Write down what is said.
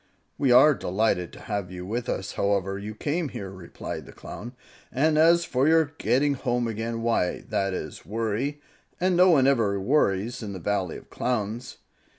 "We are delighted to have you with us, however you came here," replied the Clown; "and as for your getting home again, why, that is worry, and no one ever worries in the Valley of Clowns.